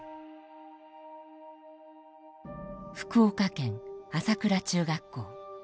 福岡県朝倉中学校。